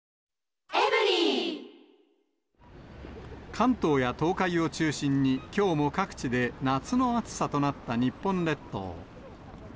関東や東海を中心に、きょうも各地で夏の暑さとなった日本列島。